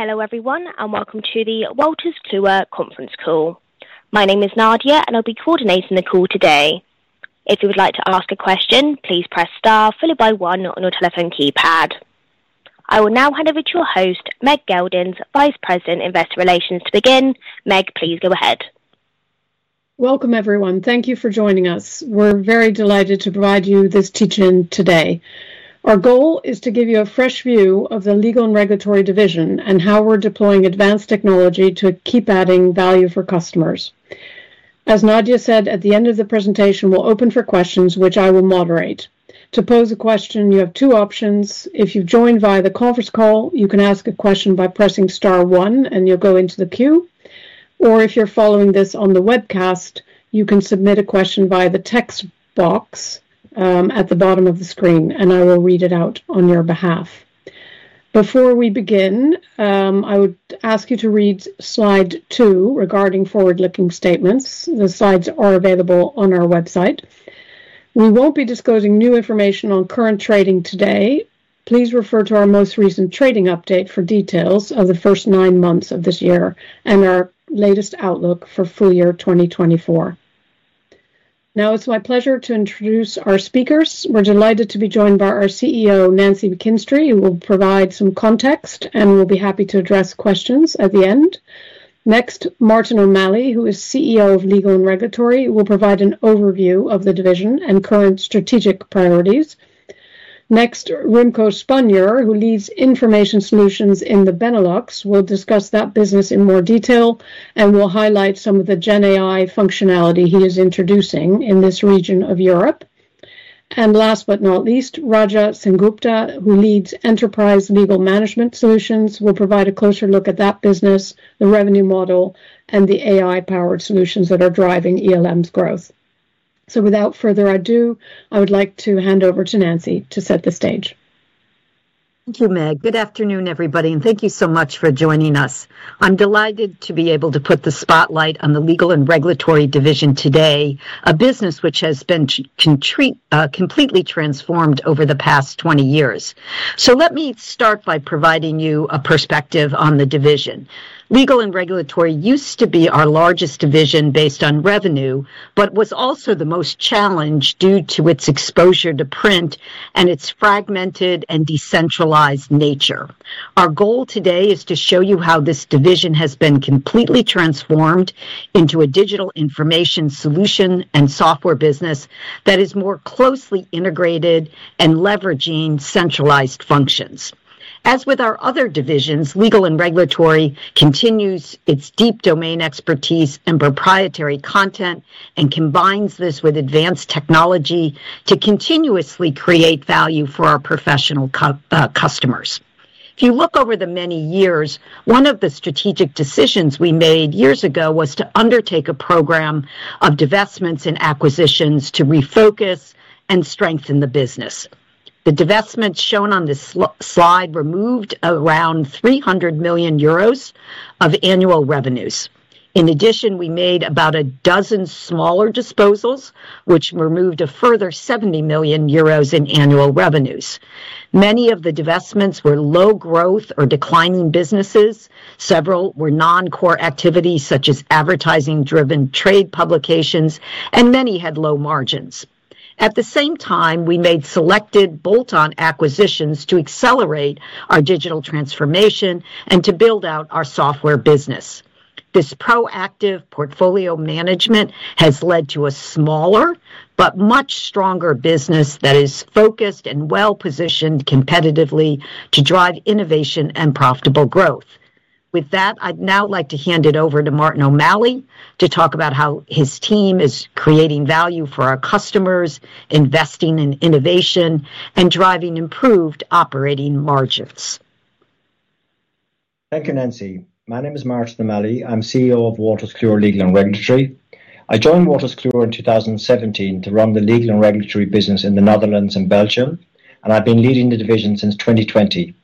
Hello everyone, and welcome to the Wolters Kluwer Conference Call. My name is Nadia, and I'll be coordinating the call today. If you would like to ask a question, please press star followed by one on your telephone keypad. I will now hand over to your host, Meg Geldens, Vice President, Investor Relations, to begin. Meg, please go ahead. Welcome everyone. Thank you for joining us. We're very delighted to provide you this teach-in today. Our goal is to give you a fresh view of the Legal and Regulatory division and how we're deploying advanced technology to keep adding value for customers. As Nadia said at the end of the presentation, we'll open for questions, which I will moderate. To pose a question, you have two options. If you've joined via the conference call, you can ask a question by pressing star one, and you'll go into the queue. Or if you're following this on the webcast, you can submit a question via the text box at the bottom of the screen, and I will read it out on your behalf. Before we begin, I would ask you to read slide two regarding forward-looking statements. The slides are available on our website. We won't be disclosing new information on current trading today. Please refer to our most recent trading update for details of the first nine months of this year and our latest outlook for full year 2024. Now, it's my pleasure to introduce our speakers. We're delighted to be joined by our CEO, Nancy McKinstry, who will provide some context and will be happy to address questions at the end. Next, Martin O'Malley, who is CEO of Legal and Regulatory, will provide an overview of the division and current strategic priorities. Next, Remco Spanjer, who leads information solutions in the Benelux, will discuss that business in more detail and will highlight some of the GenAI functionality he is introducing in this region of Europe. And last but not least, Raja Sengupta, who leads Enterprise Legal Management Solutions, will provide a closer look at that business, the revenue model, and the AI-powered solutions that are driving ELM's growth. So without further ado, I would like to hand over to Nancy to set the stage. Thank you, Meg. Good afternoon, everybody, and thank you so much for joining us. I'm delighted to be able to put the spotlight on the Legal and Regulatory division today, a business which has been completely transformed over the past 20 years. So let me start by providing you a perspective on the division. Legal and Regulatory used to be our largest division based on revenue, but was also the most challenged due to its exposure to print and its fragmented and decentralized nature. Our goal today is to show you how this division has been completely transformed into a digital information solution and software business that is more closely integrated and leveraging centralized functions. As with our other divisions, Legal and Regulatory continues its deep domain expertise and proprietary content and combines this with advanced technology to continuously create value for our professional customers. If you look over the many years, one of the strategic decisions we made years ago was to undertake a program of divestments and acquisitions to refocus and strengthen the business. The divestments shown on this slide removed around 300 million euros of annual revenues. In addition, we made about a dozen smaller disposals, which removed a further 70 million euros in annual revenues. Many of the divestments were low-growth or declining businesses. Several were non-core activities such as advertising-driven trade publications, and many had low margins. At the same time, we made selected bolt-on acquisitions to accelerate our digital transformation and to build out our software business. This proactive portfolio management has led to a smaller but much stronger business that is focused and well-positioned competitively to drive innovation and profitable growth. With that, I'd now like to hand it over to Martin O'Malley to talk about how his team is creating value for our customers, investing in innovation, and driving improved operating margins. Thank you, Nancy. My name is Martin O'Malley. I'm CEO of Wolters Kluwer Legal and Regulatory. I joined Wolters Kluwer in 2017 to run the Legal and Regulatory business in the Netherlands and Belgium, and I've been leading the division since 2020.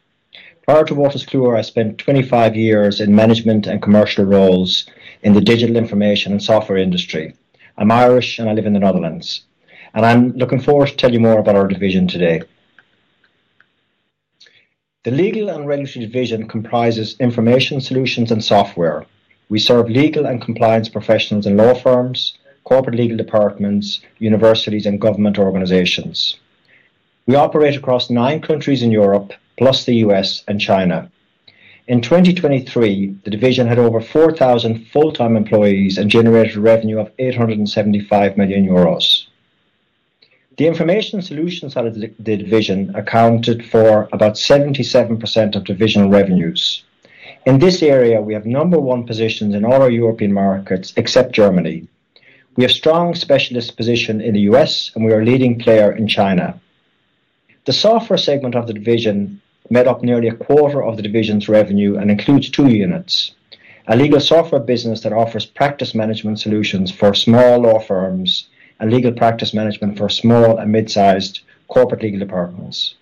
Prior to Wolters Kluwer, I spent 25 years in management and commercial roles in the digital information and software industry. I'm Irish, and I live in the Netherlands, and I'm looking forward to telling you more about our division today. The Legal and Regulatory division comprises information solutions and software. We serve legal and compliance professionals in law firms, corporate legal departments, universities, and government organizations. We operate across nine countries in Europe, plus the U.S. and China. In 2023, the division had over 4,000 full-time employees and generated a revenue of €875 million. The information solutions out of the division accounted for about 77% of divisional revenues. In this area, we have number one positions in all our European markets except Germany. We have strong specialist positions in the U.S., and we are a leading player in China. The software segment of the division makes up nearly a quarter of the division's revenue and includes two units: a legal software business that offers practice management solutions for small law firms and legal practice management for small and mid-sized corporate legal departments.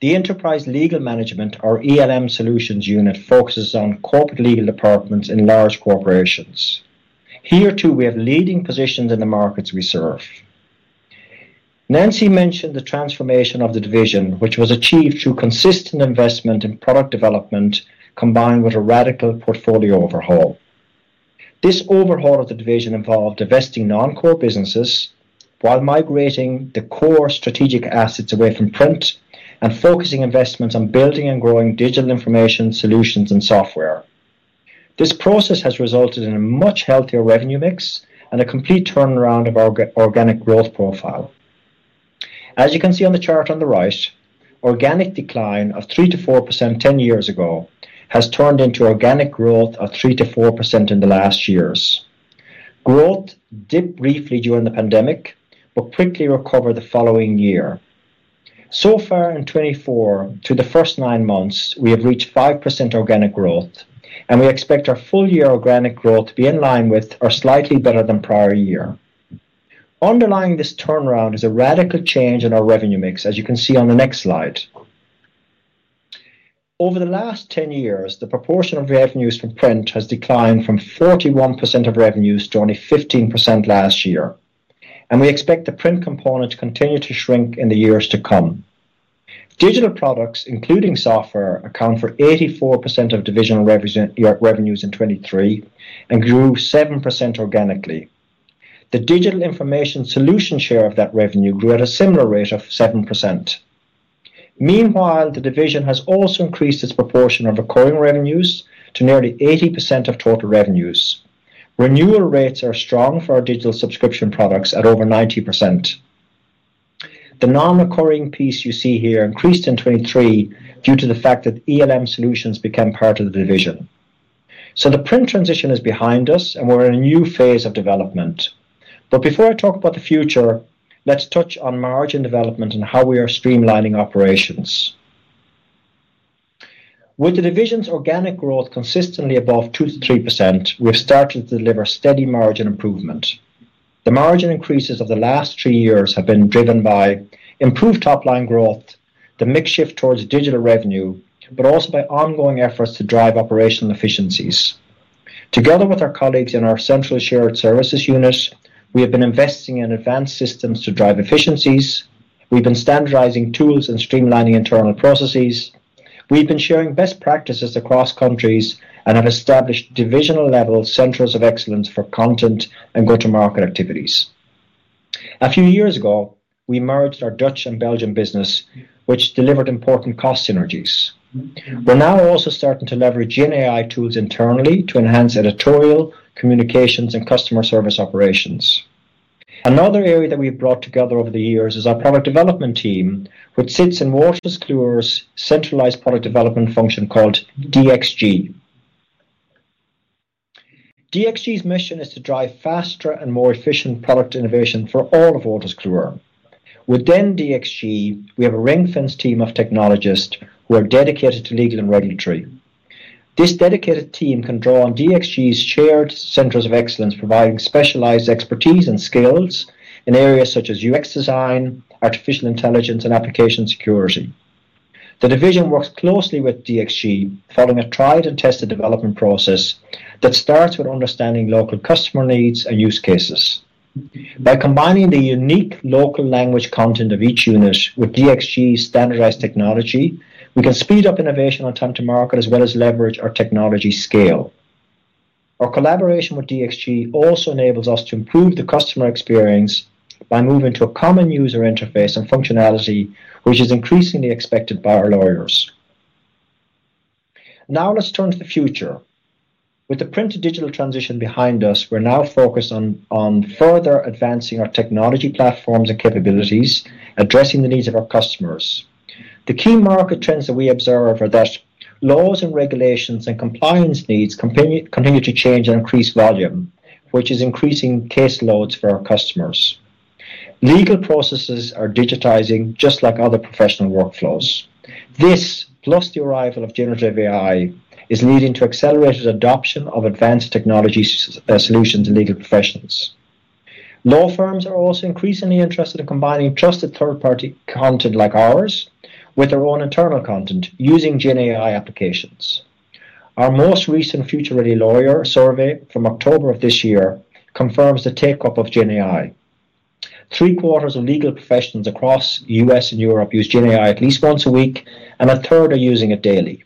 The enterprise legal management, or ELM Solutions unit, focuses on corporate legal departments in large corporations. Here too, we have leading positions in the markets we serve. Nancy mentioned the transformation of the division, which was achieved through consistent investment in product development combined with a radical portfolio overhaul. This overhaul of the division involved divesting non-core businesses while migrating the core strategic assets away from print and focusing investments on building and growing digital information solutions and software. This process has resulted in a much healthier revenue mix and a complete turnaround of our organic growth profile. As you can see on the chart on the right, organic decline of 3%-4% 10 years ago has turned into organic growth of 3%-4% in the last years. Growth dipped briefly during the pandemic but quickly recovered the following year. So far, in 2024, through the first nine months, we have reached 5% organic growth, and we expect our full-year organic growth to be in line with or slightly better than prior year. Underlying this turnaround is a radical change in our revenue mix, as you can see on the next slide. Over the last 10 years, the proportion of revenues from print has declined from 41% of revenues to only 15% last year, and we expect the print component to continue to shrink in the years to come. Digital products, including software, account for 84% of divisional revenues in 2023 and grew 7% organically. The digital information solution share of that revenue grew at a similar rate of 7%. Meanwhile, the division has also increased its proportion of recurring revenues to nearly 80% of total revenues. Renewal rates are strong for our digital subscription products at over 90%. The non-recurring piece you see here increased in 2023 due to the fact that ELM Solutions became part of the division. So the print transition is behind us, and we're in a new phase of development. But before I talk about the future, let's touch on margin development and how we are streamlining operations. With the division's organic growth consistently above 2%-3%, we've started to deliver steady margin improvement. The margin increases of the last three years have been driven by improved top-line growth, the mix shift towards digital revenue, but also by ongoing efforts to drive operational efficiencies. Together with our colleagues in our central shared services unit, we have been investing in advanced systems to drive efficiencies. We've been standardizing tools and streamlining internal processes. We've been sharing best practices across countries and have established divisional-level centers of excellence for content and go-to-market activities. A few years ago, we merged our Dutch and Belgian business, which delivered important cost synergies. We're now also starting to leverage GenAI tools internally to enhance editorial, communications, and customer service operations. Another area that we've brought together over the years is our product development team, which sits in Wolters Kluwer's centralized product development function called DXG. DXG's mission is to drive faster and more efficient product innovation for all of Wolters Kluwer. Within DXG, we have a ring-fenced team of technologists who are dedicated to Legal and Regulatory. This dedicated team can draw on DXG's shared centers of excellence, providing specialized expertise and skills in areas such as UX design, artificial intelligence, and application security. The division works closely with DXG, following a tried-and-tested development process that starts with understanding local customer needs and use cases. By combining the unique local language content of each unit with DXG's standardized technology, we can speed up innovation on time to market as well as leverage our technology scale. Our collaboration with DXG also enables us to improve the customer experience by moving to a common user interface and functionality, which is increasingly expected by our lawyers. Now, let's turn to the future. With the print-to-digital transition behind us, we're now focused on further advancing our technology platforms and capabilities, addressing the needs of our customers. The key market trends that we observe are that laws and regulations and compliance needs continue to change and increase volume, which is increasing caseloads for our customers. Legal processes are digitizing just like other professional workflows. This, plus the arrival of generative AI, is leading to accelerated adoption of advanced technology solutions in legal professions. Law firms are also increasingly interested in combining trusted third-party content like ours with their own internal content using GenAI applications. Our most recent Future Ready Lawyer survey from October of this year confirms the take-up of GenAI. Three-quarters of legal professionals across the U.S. and Europe use GenAI at least once a week, and a third are using it daily.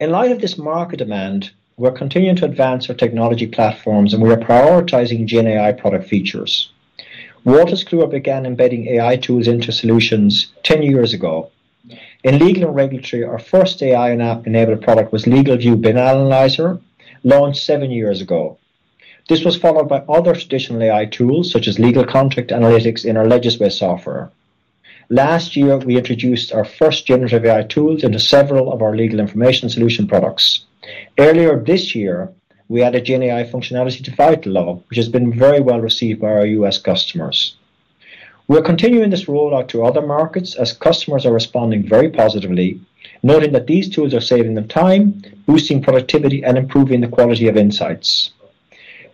In light of this market demand, we're continuing to advance our technology platforms, and we are prioritizing GenAI product features. Wolters Kluwer began embedding AI tools into solutions 10 years ago. In Legal and Regulatory, our first AI-enabled product was LegalVIEW BillAnalyzer, launched seven years ago. This was followed by other traditional AI tools, such as legal contract analytics in our legislative software. Last year, we introduced our first generative AI tools into several of our legal information solution products. Earlier this year, we added GenAI functionality to VitalLaw, which has been very well received by our U.S. customers. We're continuing this rollout to other markets as customers are responding very positively, noting that these tools are saving them time, boosting productivity, and improving the quality of insights.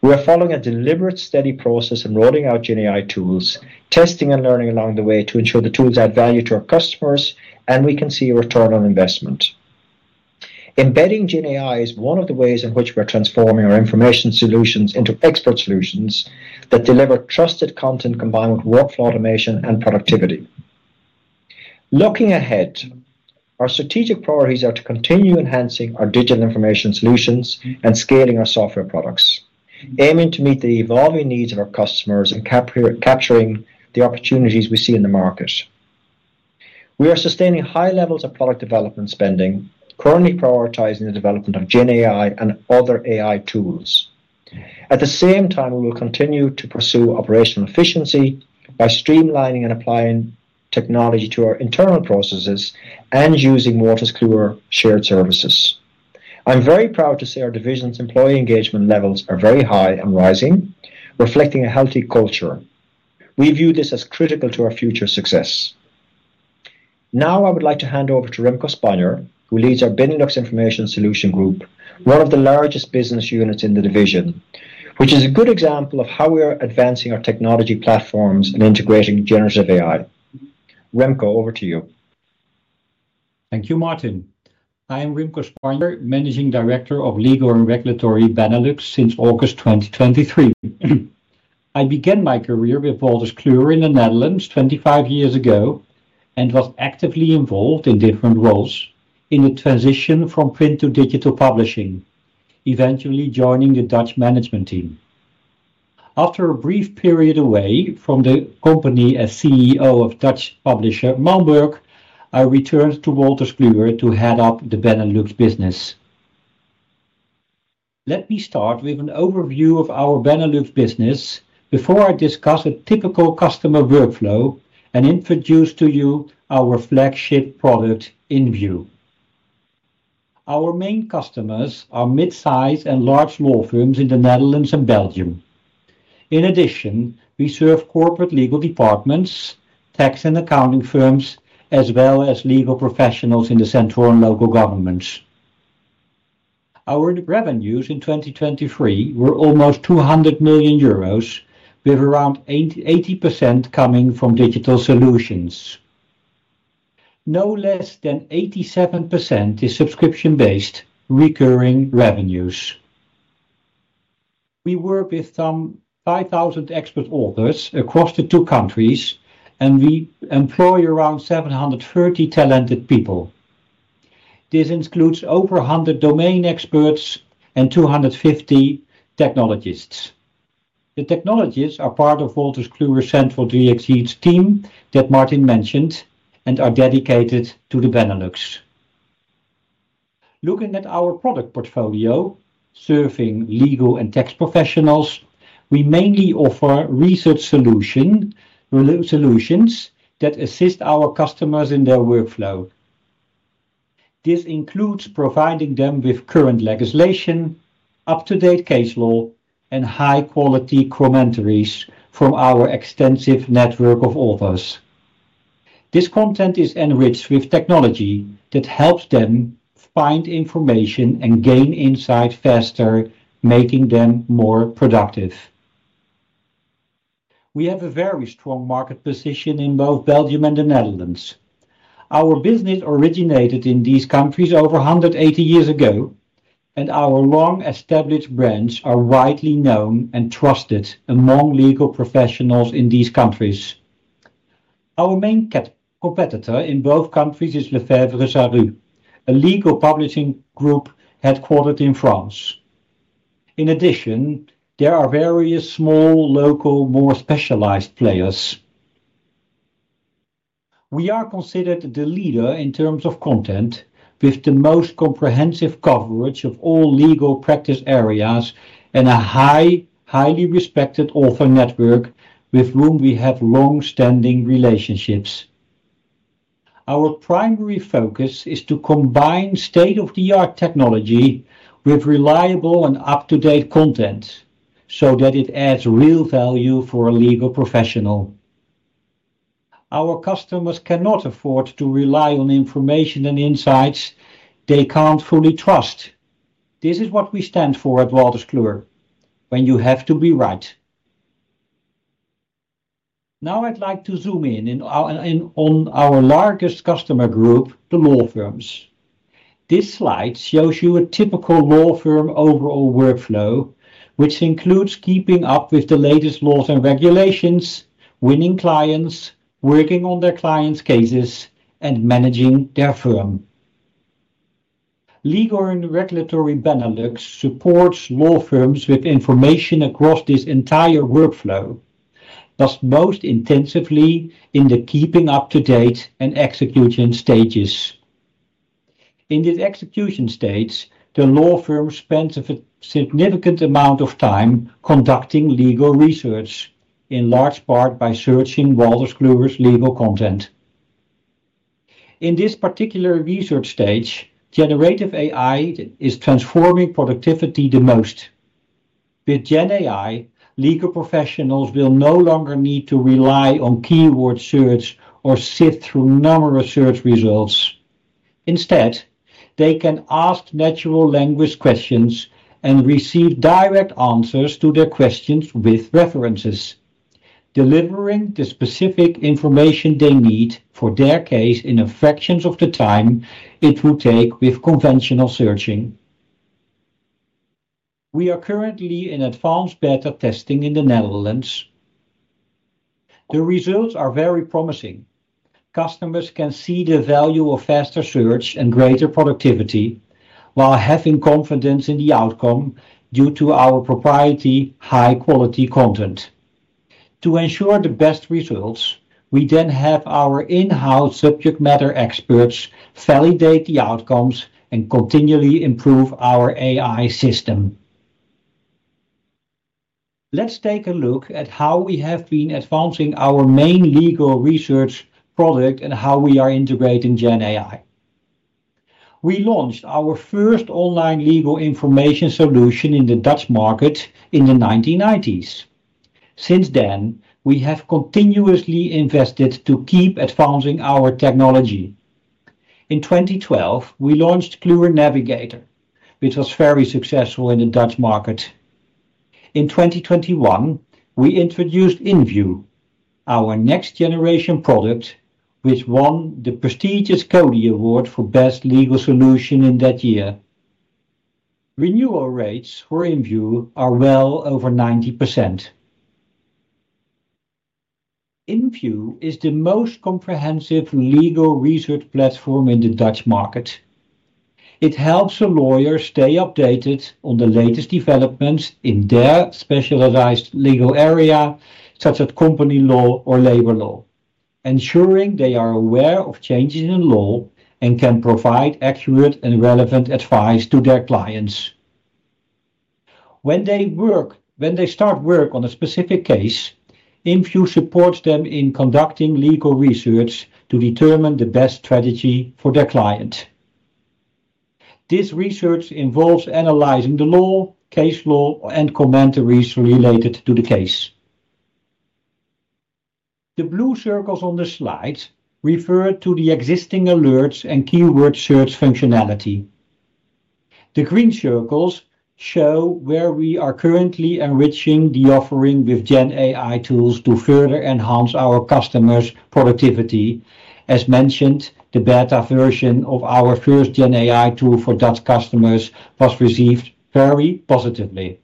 We are following a deliberate, steady process in rolling out GenAI tools, testing and learning along the way to ensure the tools add value to our customers, and we can see a return on investment. Embedding GenAI is one of the ways in which we're transforming our information solutions into expert solutions that deliver trusted content combined with workflow automation and productivity. Looking ahead, our strategic priorities are to continue enhancing our digital information solutions and scaling our software products, aiming to meet the evolving needs of our customers and capturing the opportunities we see in the market. We are sustaining high levels of product development spending, currently prioritizing the development of GenAI and other AI tools. At the same time, we will continue to pursue operational efficiency by streamlining and applying technology to our internal processes and using Wolters Kluwer shared services. I'm very proud to say our division's employee engagement levels are very high and rising, reflecting a healthy culture. We view this as critical to our future success. Now, I would like to hand over to Remco Spanjer, who leads our Benelux Information Solutions Group, one of the largest business units in the division, which is a good example of how we are advancing our technology platforms and integrating generative AI. Remco, over to you. Thank you, Martin. I am Remco Spanjer, Managing Director of Legal and Regulatory Benelux since August 2023. I began my career with Wolters Kluwer in the Netherlands 25 years ago and was actively involved in different roles in the transition from print to digital publishing, eventually joining the Dutch management team. After a brief period away from the company as CEO of Dutch publisher Malmberg, I returned to Wolters Kluwer to head up the Benelux business. Let me start with an overview of our Benelux business before I discuss a typical customer workflow and introduce to you our flagship product, InView. Our main customers are mid-size and large law firms in the Netherlands and Belgium. In addition, we serve corporate legal departments, tax and accounting firms, as well as legal professionals in the central and local governments. Our revenues in 2023 were almost €200 million, with around 80% coming from digital solutions. No less than 87% is subscription-based recurring revenues. We work with some 5,000 expert authors across the two countries, and we employ around 730 talented people. This includes over 100 domain experts and 250 technologists. The technologists are part of Wolters Kluwer Central DXG's team that Martin mentioned and are dedicated to the Benelux. Looking at our product portfolio, serving legal and tax professionals, we mainly offer research solutions that assist our customers in their workflow. This includes providing them with current legislation, up-to-date case law, and high-quality commentaries from our extensive network of authors. This content is enriched with technology that helps them find information and gain insight faster, making them more productive. We have a very strong market position in both Belgium and the Netherlands. Our business originated in these countries over 180 years ago, and our long-established branches are widely known and trusted among legal professionals in these countries. Our main competitor in both countries is Lefebvre Sarrut, a legal publishing group headquartered in France. In addition, there are various small, local, more specialized players. We are considered the leader in terms of content, with the most comprehensive coverage of all legal practice areas and a highly respected author network with whom we have long-standing relationships. Our primary focus is to combine state-of-the-art technology with reliable and up-to-date content so that it adds real value for a legal professional. Our customers cannot afford to rely on information and insights they can't fully trust. This is what we stand for at Wolters Kluwer: when you have to be right. Now, I'd like to zoom in on our largest customer group, the law firms. This slide shows you a typical law firm overall workflow, which includes keeping up with the latest laws and regulations, winning clients, working on their clients' cases, and managing their firm. Legal and Regulatory Benelux supports law firms with information across this entire workflow, thus most intensively in the keeping-up-to-date and execution stages. In these execution stages, the law firm spends a significant amount of time conducting legal research, in large part by searching Wolters Kluwer's legal content. In this particular research stage, generative AI is transforming productivity the most. With GenAI, legal professionals will no longer need to rely on keyword search or sift through numerous search results. Instead, they can ask natural language questions and receive direct answers to their questions with references, delivering the specific information they need for their case in fractions of the time it would take with conventional searching. We are currently in advanced beta testing in the Netherlands. The results are very promising. Customers can see the value of faster search and greater productivity while having confidence in the outcome due to our proprietary, high-quality content. To ensure the best results, we then have our in-house subject matter experts validate the outcomes and continually improve our AI system. Let's take a look at how we have been advancing our main legal research product and how we are integrating GenAI. We launched our first online legal information solution in the Dutch market in the 1990s. Since then, we have continuously invested to keep advancing our technology. In 2012, we launched Kluwer Navigator, which was very successful in the Dutch market. In 2021, we introduced InView, our next-generation product, which won the prestigious CODiE Award for Best Legal Solution in that year. Renewal rates for InView are well over 90%. InView is the most comprehensive legal research platform in the Dutch market. It helps a lawyer stay updated on the latest developments in their specialized legal area, such as company law or labor law, ensuring they are aware of changes in law and can provide accurate and relevant advice to their clients. When they start work on a specific case, InView supports them in conducting legal research to determine the best strategy for their client. This research involves analyzing the law, case law, and commentaries related to the case. The blue circles on the slide refer to the existing alerts and keyword search functionality. The green circles show where we are currently enriching the offering with GenAI tools to further enhance our customers' productivity. As mentioned, the beta version of our first GenAI tool for Dutch customers was received very positively.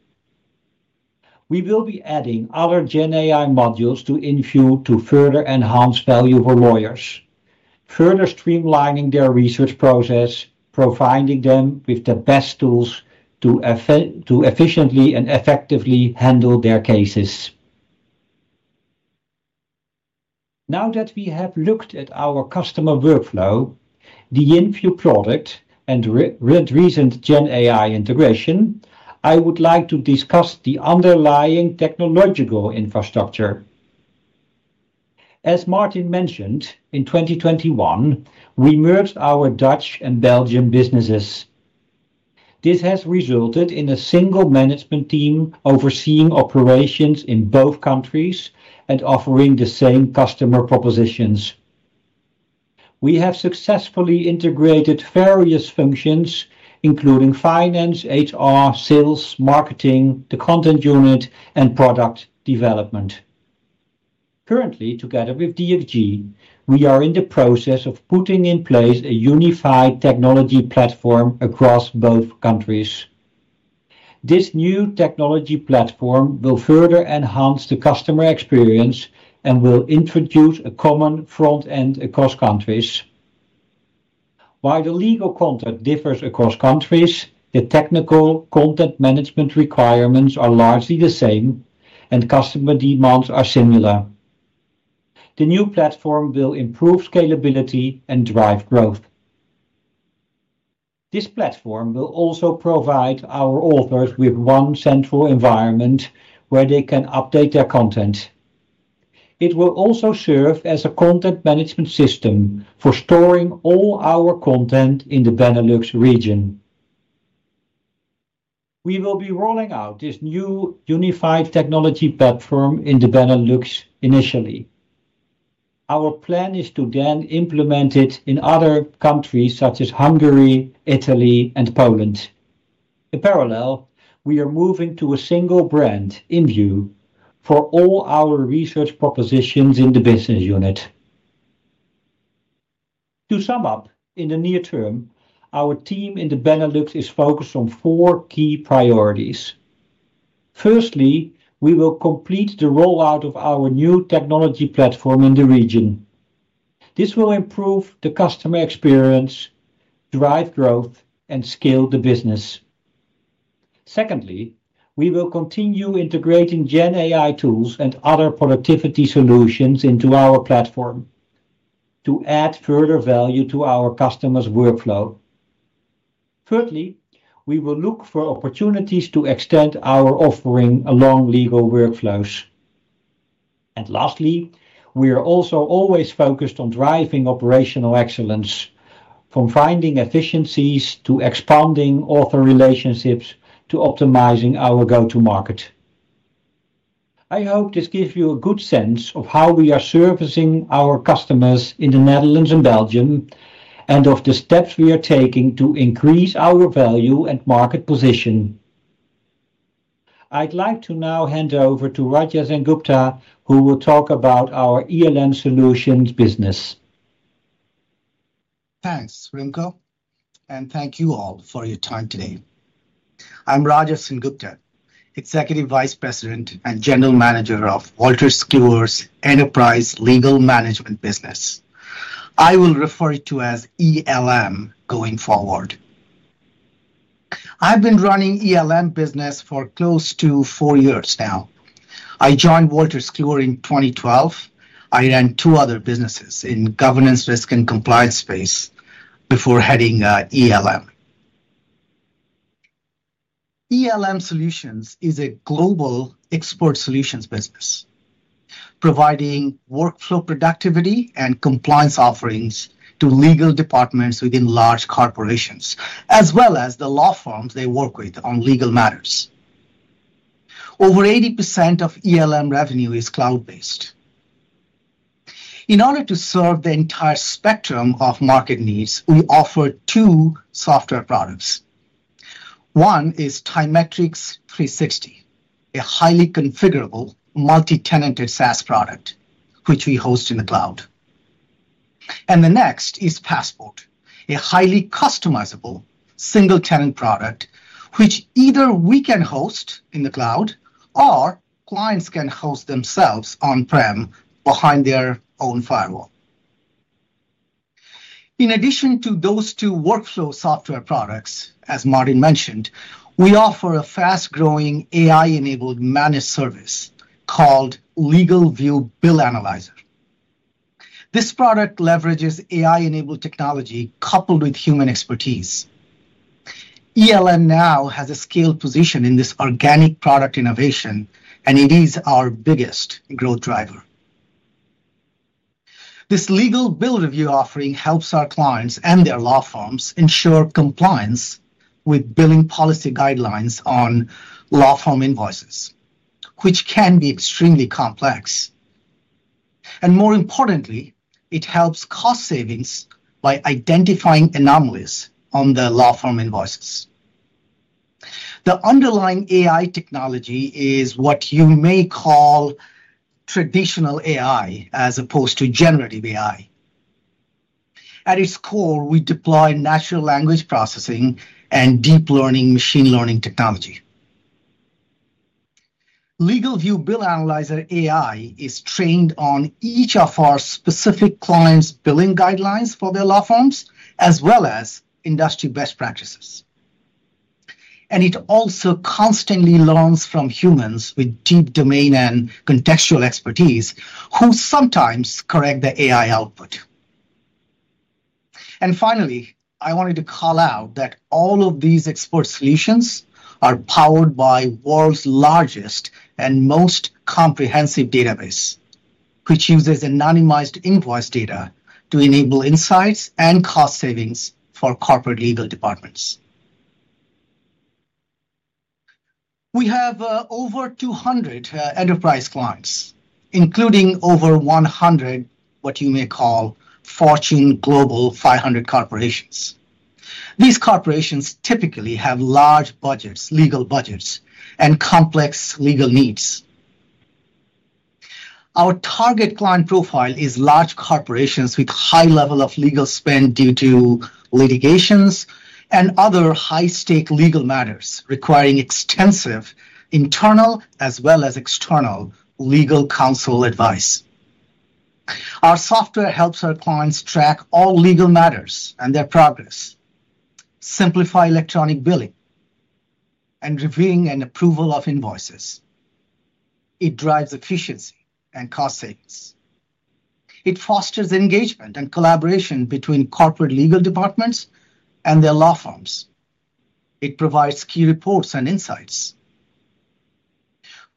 We will be adding other GenAI modules to InView to further enhance value for lawyers, further streamlining their research process, providing them with the best tools to efficiently and effectively handle their cases. Now that we have looked at our customer workflow, the InView product, and recent GenAI integration, I would like to discuss the underlying technological infrastructure. As Martin mentioned, in 2021, we merged our Dutch and Belgian businesses. This has resulted in a single management team overseeing operations in both countries and offering the same customer propositions. We have successfully integrated various functions, including finance, HR, sales, marketing, the content unit, and product development. Currently, together with DXG, we are in the process of putting in place a unified technology platform across both countries. This new technology platform will further enhance the customer experience and will introduce a common front end across countries. While the legal content differs across countries, the technical content management requirements are largely the same, and customer demands are similar. The new platform will improve scalability and drive growth. This platform will also provide our authors with one central environment where they can update their content. It will also serve as a content management system for storing all our content in the Benelux region. We will be rolling out this new unified technology platform in the Benelux initially. Our plan is to then implement it in other countries, such as Hungary, Italy, and Poland. In parallel, we are moving to a single brand, InView, for all our research propositions in the business unit. To sum up, in the near term, our team in the Benelux is focused on four key priorities. Firstly, we will complete the rollout of our new technology platform in the region. This will improve the customer experience, drive growth, and scale the business. Secondly, we will continue integrating GenAI tools and other productivity solutions into our platform to add further value to our customers' workflow. Thirdly, we will look for opportunities to extend our offering along legal workflows. And lastly, we are also always focused on driving operational excellence, from finding efficiencies to expanding author relationships to optimizing our go-to-market. I hope this gives you a good sense of how we are servicing our customers in the Netherlands and Belgium and of the steps we are taking to increase our value and market position. I'd like to now hand over to Raja Sengupta, who will talk about our ELM Solutions business. Thanks, Remco, and thank you all for your time today. I'm Raja Sengupta, Executive Vice President and General Manager of Wolters Kluwer's enterprise legal management business. I will refer to it as ELM going forward. I've been running ELM business for close to four years now. I joined Wolters Kluwer in 2012. I ran two other businesses in governance, risk, and compliance space before heading ELM. ELM Solutions is a global expert solutions business, providing workflow productivity and compliance offerings to legal departments within large corporations, as well as the law firms they work with on legal matters. Over 80% of ELM revenue is cloud-based. In order to serve the entire spectrum of market needs, we offer two software products. One is TyMetrix 360°, a highly configurable multi-tenanted SaaS product, which we host in the cloud, and the next is Passport, a highly customizable single-tenant product, which either we can host in the cloud or clients can host themselves on-prem behind their own firewall. In addition to those two workflow software products, as Martin mentioned, we offer a fast-growing AI-enabled managed service called LegalVIEW BillAnalyzer. This product leverages AI-enabled technology coupled with human expertise. ELM now has a scaled position in this organic product innovation, and it is our biggest growth driver. This legal bill review offering helps our clients and their law firms ensure compliance with billing policy guidelines on law firm invoices, which can be extremely complex, and more importantly, it helps cost savings by identifying anomalies on the law firm invoices. The underlying AI technology is what you may call traditional AI as opposed to generative AI. At its core, we deploy natural language processing and deep learning machine learning technology. LegalVIEW BillAnalyzer AI is trained on each of our specific clients' billing guidelines for their law firms, as well as industry best practices. It also constantly learns from humans with deep domain and contextual expertise, who sometimes correct the AI output. Finally, I wanted to call out that all of these ELM Solutions are powered by the world's largest and most comprehensive database, which uses anonymized invoice data to enable insights and cost savings for corporate legal departments. We have over 200 enterprise clients, including over 100, what you may call, Fortune Global 500 corporations. These corporations typically have large budgets, legal budgets, and complex legal needs. Our target client profile is large corporations with a high level of legal spend due to litigations and other high-stakes legal matters requiring extensive internal as well as external legal counsel advice. Our software helps our clients track all legal matters and their progress, simplify electronic billing, and reviewing and approval of invoices. It drives efficiency and cost savings. It fosters engagement and collaboration between corporate legal departments and their law firms. It provides key reports and insights.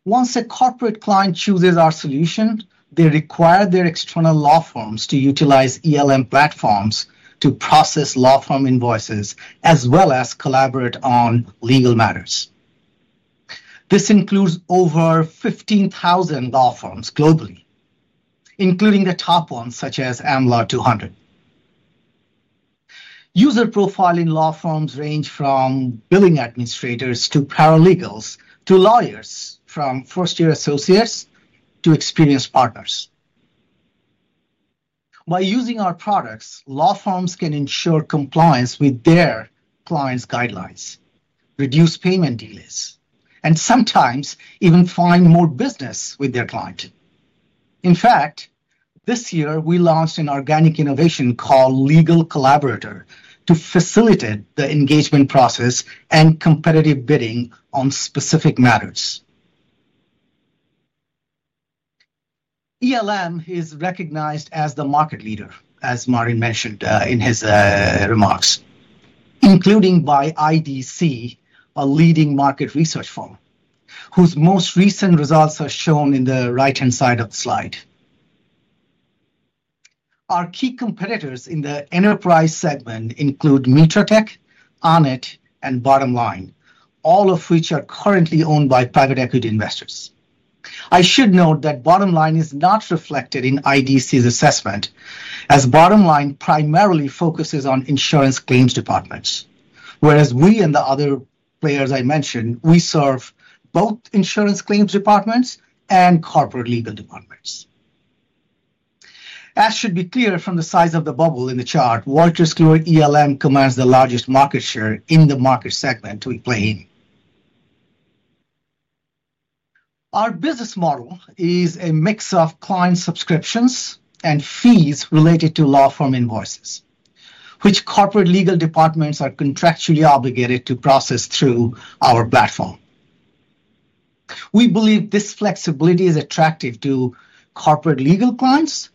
Once a corporate client chooses our solution, they require their external law firms to utilize ELM platforms to process law firm invoices as well as collaborate on legal matters. This includes over 15,000 law firms globally, including the top ones, such as Am Law 200. User profile in law firms range from billing administrators to paralegals to lawyers from first-year associates to experienced partners. By using our products, law firms can ensure compliance with their clients' guidelines, reduce payment delays, and sometimes even find more business with their client. In fact, this year, we launched an organic innovation called Legal Collaborator to facilitate the engagement process and competitive bidding on specific matters. ELM is recognized as the market leader, as Martin mentioned in his remarks, including by IDC, a leading market research firm, whose most recent results are shown in the right-hand side of the slide. Our key competitors in the enterprise segment include Mitratech, Onit, and Bottomline, all of which are currently owned by private equity investors. I should note that Bottomline is not reflected in IDC's assessment, as Bottomline primarily focuses on insurance claims departments, whereas we and the other players I mentioned, we serve both insurance claims departments and corporate legal departments. As should be clear from the size of the bubble in the chart, Wolters Kluwer ELM commands the largest market share in the market segment we play in. Our business model is a mix of client subscriptions and fees related to law firm invoices, which corporate legal departments are contractually obligated to process through our platform. We believe this flexibility is attractive to corporate legal clients,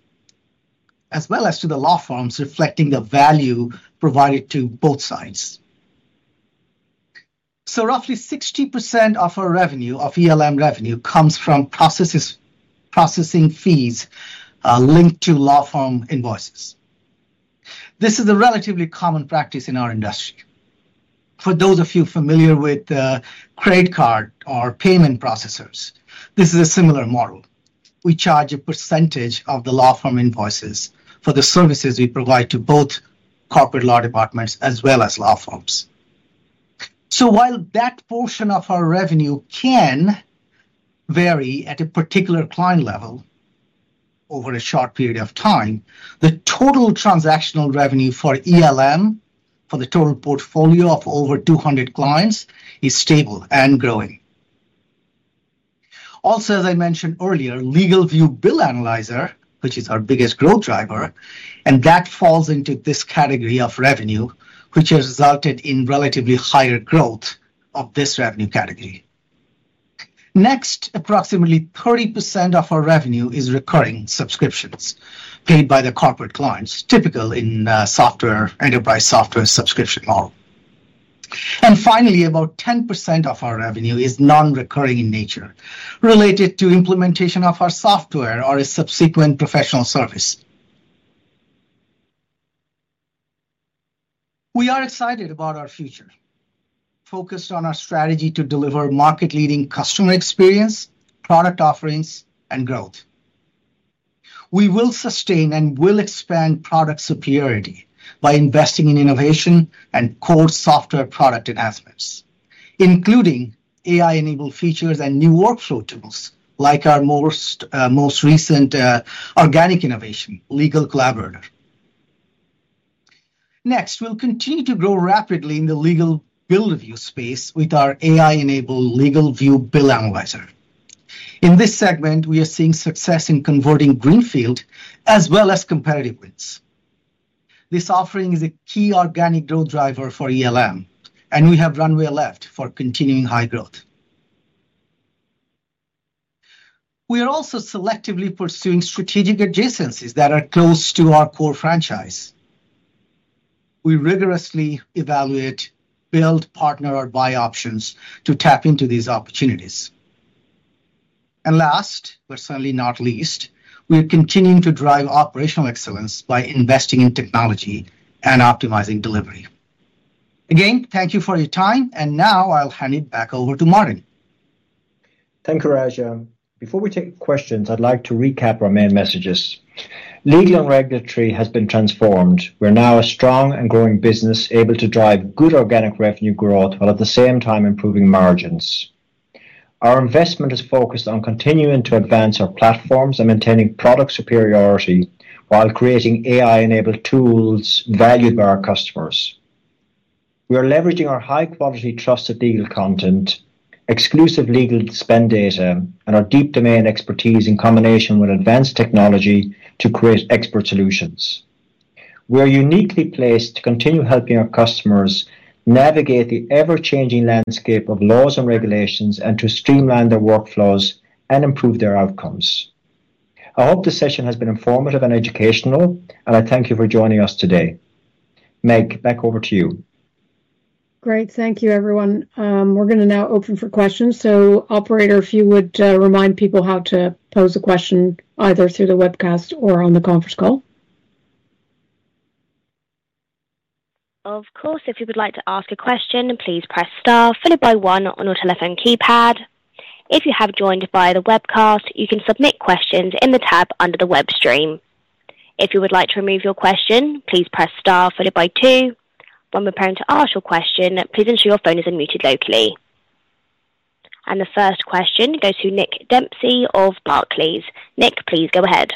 as well as to the law firms, reflecting the value provided to both sides. So roughly 60% of our revenue, of ELM revenue, comes from processing fees linked to law firm invoices. This is a relatively common practice in our industry. For those of you familiar with credit card or payment processors, this is a similar model. We charge a percentage of the law firm invoices for the services we provide to both corporate law departments as well as law firms. While that portion of our revenue can vary at a particular client level over a short period of time, the total transactional revenue for ELM, for the total portfolio of over 200 clients, is stable and growing. Also, as I mentioned earlier, LegalVIEW BillAnalyzer, which is our biggest growth driver, and that falls into this category of revenue, which has resulted in relatively higher growth of this revenue category. Next, approximately 30% of our revenue is recurring subscriptions paid by the corporate clients, typical in enterprise software subscription model. Finally, about 10% of our revenue is non-recurring in nature, related to implementation of our software or a subsequent professional service. We are excited about our future, focused on our strategy to deliver market-leading customer experience, product offerings, and growth. We will sustain and will expand product superiority by investing in innovation and core software product enhancements, including AI-enabled features and new workflow tools like our most recent organic innovation, Legal Collaborator. Next, we'll continue to grow rapidly in the legal bill review space with our AI-enabled LegalVIEW BillAnalyzer. In this segment, we are seeing success in converting greenfield as well as competitive wins. This offering is a key organic growth driver for ELM, and we have runway left for continuing high growth. We are also selectively pursuing strategic adjacencies that are close to our core franchise. We rigorously evaluate build, partner, or buy options to tap into these opportunities, and last, but certainly not least, we are continuing to drive operational excellence by investing in technology and optimizing delivery. Again, thank you for your time, and now I'll hand it back over to Martin. Thank you, Raj. Before we take questions, I'd like to recap our main messages. Legal and Regulatory has been transformed. We're now a strong and growing business able to drive good organic revenue growth while at the same time improving margins. Our investment is focused on continuing to advance our platforms and maintaining product superiority while creating AI-enabled tools valued by our customers. We are leveraging our high-quality, trusted legal content, exclusive legal spend data, and our deep domain expertise in combination with advanced technology to create expert solutions. We are uniquely placed to continue helping our customers navigate the ever-changing landscape of laws and regulations and to streamline their workflows and improve their outcomes. I hope this session has been informative and educational, and I thank you for joining us today. Meg, back over to you. Great. Thank you, everyone. We're going to now open for questions. So, Operator, if you would remind people how to pose a question either through the webcast or on the conference call. Of course, if you would like to ask a question, please press Star followed by One on your telephone keypad. If you have joined via the webcast, you can submit questions in the tab under the web stream. If you would like to remove your question, please press Star followed by Two. When we're preparing to ask your question, please ensure your phone is unmuted locally. The first question goes to Nick Dempsey of Barclays. Nick, please go ahead.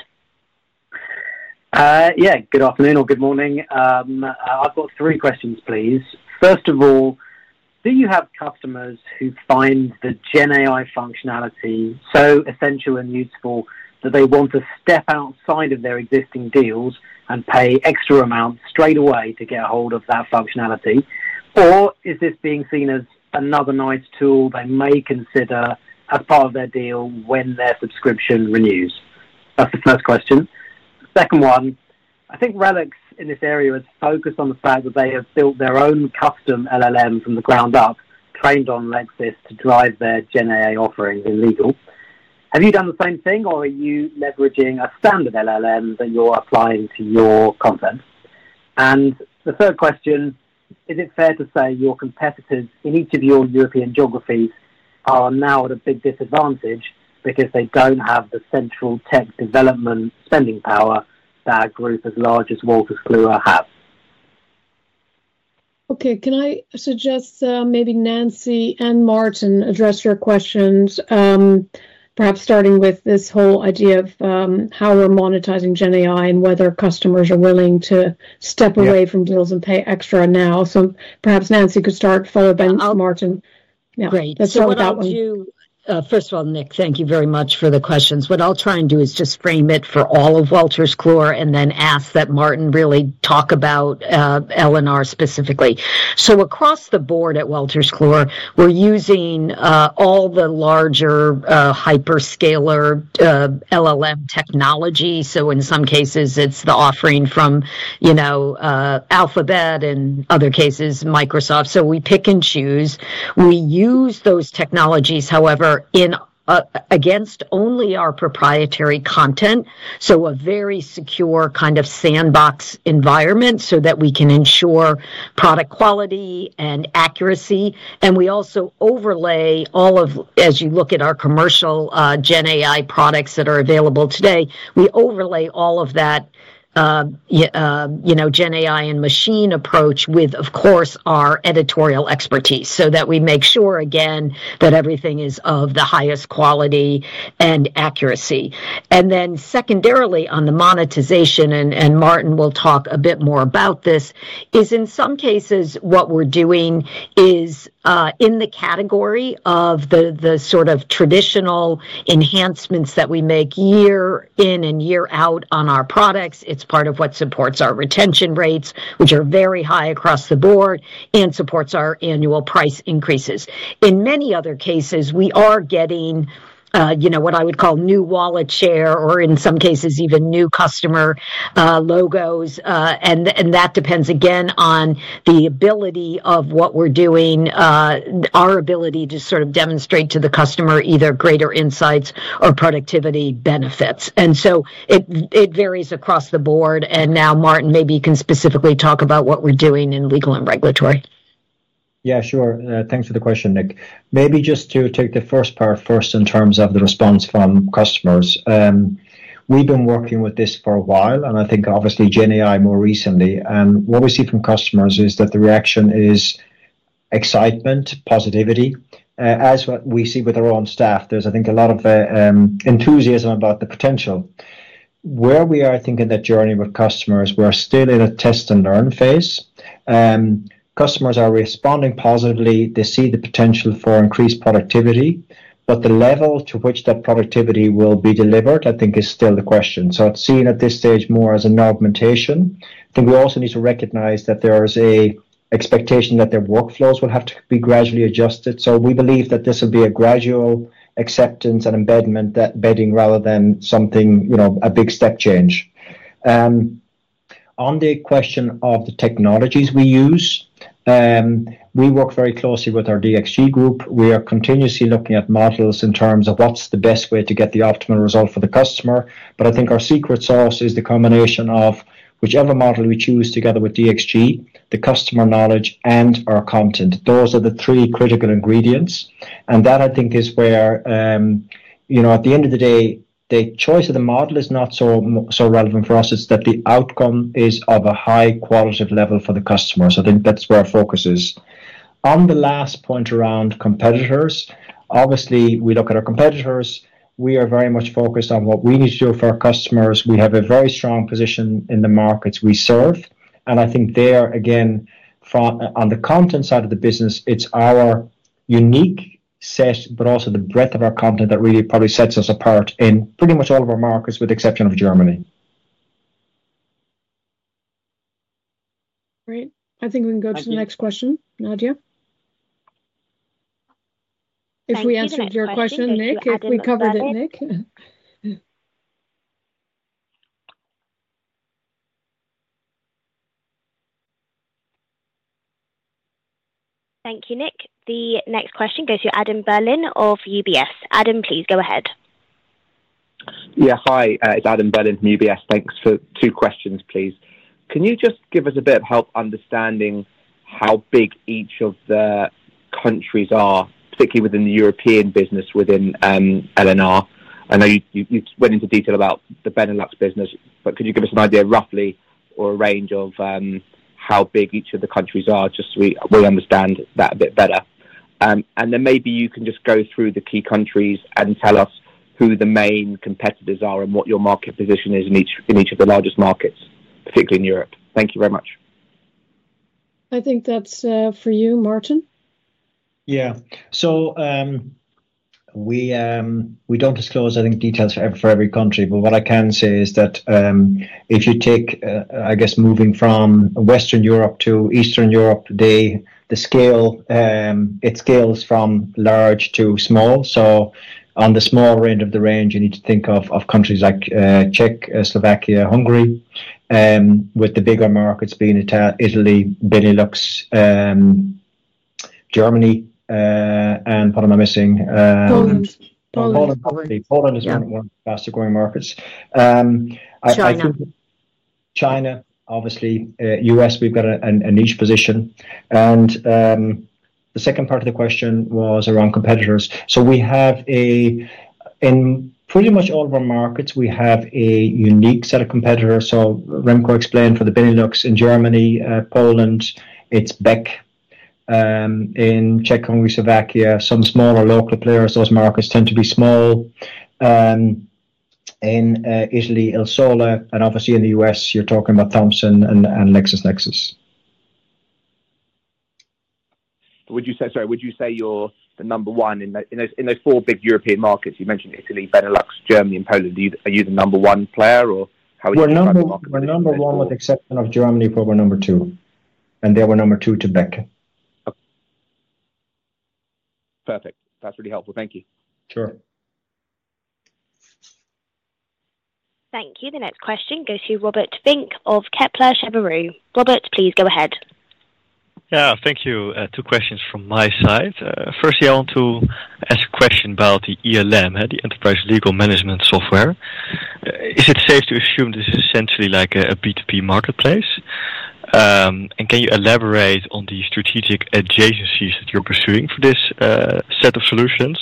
Yeah. Good afternoon or good morning. I've got three questions, please. First of all, do you have customers who find the GenAI functionality so essential and useful that they want to step outside of their existing deals and pay extra amounts straight away to get a hold of that functionality? Or is this being seen as another nice tool they may consider as part of their deal when their subscription renews? That's the first question. Second one, I think RELX in this area has focused on the fact that they have built their own custom LLMs from the ground up, trained on LexisNexis to drive their GenAI offerings in legal. Have you done the same thing, or are you leveraging a standard LLM that you're applying to your content? The third question, is it fair to say your competitors in each of your European geographies are now at a big disadvantage because they don't have the central tech development spending power that a group as large as Wolters Kluwer has? Okay. Can I suggest maybe Nancy and Martin address your questions, perhaps starting with this whole idea of how we're monetizing GenAI and whether customers are willing to step away from deals and pay extra now? So perhaps Nancy could start followed by Martin. I'll start with that one. Yeah. That's all without one. First of all, Nick, thank you very much for the questions. What I'll try and do is just frame it for all of Wolters Kluwer and then ask that Martin really talk about L&R specifically. So across the board at Wolters Kluwer, we're using all the larger hyperscaler LLM technology. So in some cases, it's the offering from Alphabet and other cases, Microsoft. So we pick and choose. We use those technologies, however, against only our proprietary content. So a very secure kind of sandbox environment so that we can ensure product quality and accuracy. And we also overlay all of, as you look at our commercial GenAI products that are available today, we overlay all of that GenAI and machine approach with, of course, our editorial expertise so that we make sure, again, that everything is of the highest quality and accuracy. And then, secondarily, on the monetization, and Martin will talk a bit more about this, is in some cases what we're doing is in the category of the sort of traditional enhancements that we make year in and year out on our products. It's part of what supports our retention rates, which are very high across the board, and supports our annual price increases. In many other cases, we are getting what I would call new wallet share or, in some cases, even new customer logos. And that depends, again, on the ability of what we're doing, our ability to sort of demonstrate to the customer either greater insights or productivity benefits. And so it varies across the board. And now, Martin, maybe you can specifically talk about what we're doing in Legal and Regulatory. Yeah, sure. Thanks for the question, Nick. Maybe just to take the first part first in terms of the response from customers. We've been working with this for a while, and I think, obviously, GenAI more recently, and what we see from customers is that the reaction is excitement, positivity. As we see with our own staff, there's, I think, a lot of enthusiasm about the potential. Where we are thinking that journey with customers, we're still in a test and learn phase. Customers are responding positively. They see the potential for increased productivity, but the level to which that productivity will be delivered, I think, is still the question. So it's seen at this stage more as an augmentation. I think we also need to recognize that there is an expectation that their workflows will have to be gradually adjusted. So we believe that this will be a gradual acceptance and embedding rather than something, a big step change. On the question of the technologies we use, we work very closely with our DXG group. We are continuously looking at models in terms of what's the best way to get the optimal result for the customer. But I think our secret sauce is the combination of whichever model we choose together with DXG, the customer knowledge, and our content. Those are the three critical ingredients. And that, I think, is where at the end of the day, the choice of the model is not so relevant for us. It's that the outcome is of a high qualitative level for the customers. I think that's where our focus is. On the last point around competitors, obviously, we look at our competitors. We are very much focused on what we need to do for our customers. We have a very strong position in the markets we serve. And I think there, again, on the content side of the business, it's our unique set, but also the breadth of our content that really probably sets us apart in pretty much all of our markets with the exception of Germany. Great. I think we can go to the next question, Nadia. If we answered your question, Nick, if we covered it, Nick. Thank you, Nick. The next question goes to Adam Berlin of UBS. Adam, please go ahead. Yeah. Hi. It's Adam Berlin from UBS. Thanks for two questions, please. Can you just give us a bit of help understanding how big each of the countries are, particularly within the European business within L&R? I know you went into detail about the Benelux business, but could you give us an idea roughly or a range of how big each of the countries are just so we understand that a bit better? And then maybe you can just go through the key countries and tell us who the main competitors are and what your market position is in each of the largest markets, particularly in Europe. Thank you very much. I think that's for you, Martin. Yeah. So we don't disclose, I think, details for every country, but what I can say is that if you take, I guess, moving from Western Europe to Eastern Europe today, the scale, it scales from large to small. So on the small end of the range, you need to think of countries like Czech, Slovakia, Hungary, with the bigger markets being Italy, Benelux, Germany, and what am I missing? Poland. Poland. Poland, obviously. Poland is one of the faster-growing markets. China. China, obviously. U.S., we've got a niche position. And the second part of the question was around competitors. So we have a, in pretty much all of our markets, we have a unique set of competitors. So Remco explained for the Benelux in Germany, Poland, it's Beck. In Czech, Hungary, Slovakia, some smaller local players, those markets tend to be small. In Italy, Il Sole, and obviously in the U.S., you're talking about Thomson and LexisNexis. Sorry, would you say you're the number one in those four big European markets? You mentioned Italy, Benelux, Germany, and Poland. Are you the number one player, or how are you doing in other markets? We're number one, with the exception of Germany, probably number two, and then we're number two to Beck. Perfect. That's really helpful. Thank you. Sure. Thank you. The next question goes to Robert Vink of Kepler Cheuvreux. Robert, please go ahead. Yeah. Thank you. Two questions from my side. Firstly, I want to ask a question about the ELM, the Enterprise Legal Management Software. Is it safe to assume this is essentially like a B2B marketplace? And can you elaborate on the strategic adjacencies that you're pursuing for this set of solutions?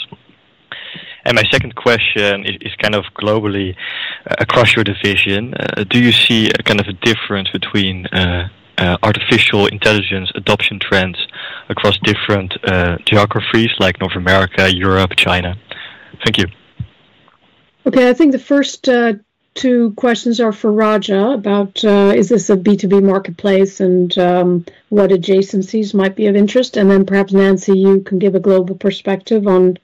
And my second question is kind of globally across your division. Do you see kind of a difference between artificial intelligence adoption trends across different geographies like North America, Europe, China? Thank you. Okay. I think the first two questions are for Raja about, is this a B2B marketplace and what adjacencies might be of interest? And then perhaps Nancy, you can give a global perspective on